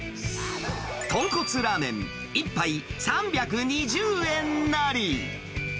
豚骨ラーメン１杯３２０円なり。